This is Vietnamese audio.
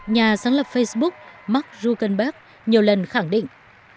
nhà sáng lập facebook mark zukanberg nhiều lần khẳng định